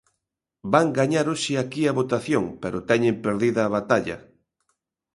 Van gañar hoxe aquí a votación, pero teñen perdida a batalla.